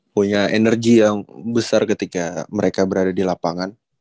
punya energi yang besar ketika mereka berada di lapangan